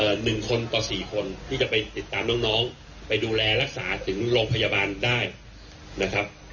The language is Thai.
หนึ่งคนต่อสี่คนที่จะไปติดตามน้องน้องไปดูแลรักษาถึงโรงพยาบาลได้นะครับ